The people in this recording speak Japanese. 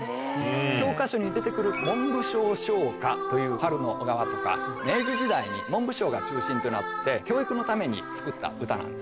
教科書に出てくる「文部省唱歌」という『春の小川』とか明治時代に文部省が中心となって教育のために作った歌なんですね。